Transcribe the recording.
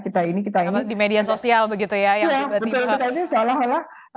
di media sosial begitu ya